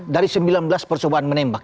dari sembilan belas percobaan menembak